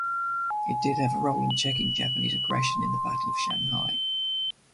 It did have a role in checking Japanese aggression in the Battle of Shanghai.